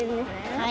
はい。